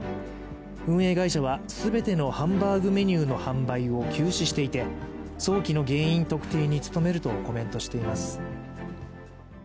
運営会社は全てのハンバーグメニューの販売を休止していて早期の原因特定に努めるとコメントしています